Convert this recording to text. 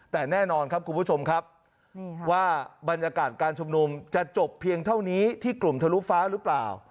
แต่แน่นอนครับคุณผู้ชมครับว่าบรรยากาศการชุมนุมจะจบเพียงเท่านี้ที่กลุ่มทะลุฟ้าหรือเปล่า